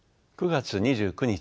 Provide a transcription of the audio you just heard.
９月２９日